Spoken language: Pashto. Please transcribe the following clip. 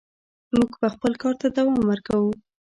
موږ به خپل کار ته دوام ورکوو.